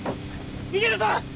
逃げるぞ！